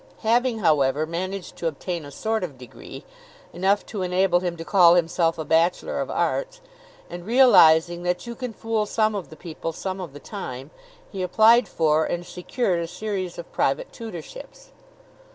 Having, however, managed to obtain a sort of degree, enough to enable him to call himself a Bachelor of Arts, and realizing that you can fool some of the people some of the time, he applied for and secured a series of private tutorships.